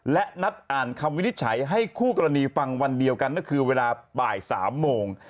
และนัดอ่านคำวินิจฉัยให้คู่กรณีฟังวันเดียวกันก็คือเวลาบ่าย๓โมง